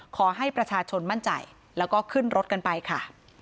ขอให้ประชาชนมั่นใจแล้วก็ขึ้นรถกันไปค่ะ